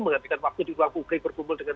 menghabikan waktu di ruang publik berkumpul dengan